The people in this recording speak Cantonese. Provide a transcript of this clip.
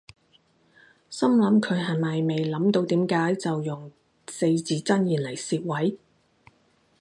心諗佢係咪未諗到點講就用四字真言嚟攝位